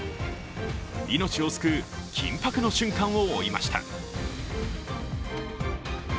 命を救う緊迫の瞬間を追いました。